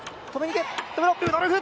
ルドルフ！